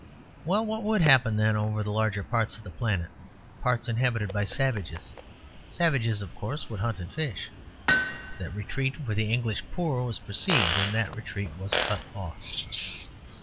Well, what would happen then, over the larger parts of the planet, parts inhabited by savages? Savages, of course, would hunt and fish. That retreat for the English poor was perceived; and that retreat was cut off.